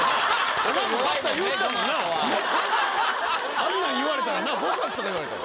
あんなん言われたらな５冊とか言われたら。